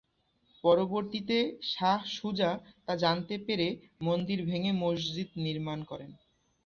পরবর্তিতে শাহ সুজা তা জানতে পেরে মন্দির ভেঙে মসজিদ নির্মাণ করেন।